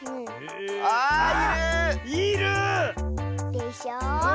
でしょ。